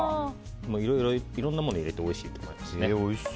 いろんなものを入れてもおいしいと思いますね。